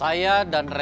da fungk sedang chu